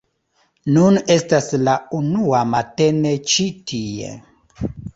Nun estas la unua matene ĉi tie